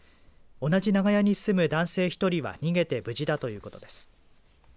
同じ長屋に住む男性１人は逃げて無事だということです。